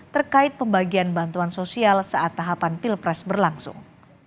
terkait pembagian bantuan sosial saat tahapan pilpres berlangsung